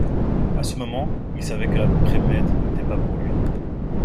À ce moment, il savait que la Pre-Med n'était pas pour lui.